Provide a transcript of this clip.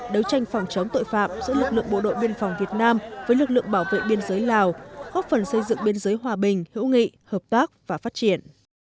đấu tranh phòng chống tội phạm giữa lực lượng bộ đội biên phòng việt nam với lực lượng bảo vệ biên giới lào góp phần xây dựng biên giới hòa bình hữu nghị hợp tác và phát triển